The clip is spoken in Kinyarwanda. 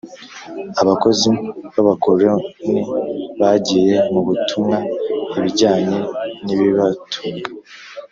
abakozi b abakoroni bagiye mu butumwa Ibijyanye n ibibatunga